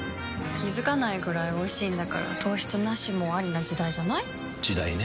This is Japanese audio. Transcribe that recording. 気付かないくらいおいしいんだから糖質ナシもアリな時代じゃない？時代ね。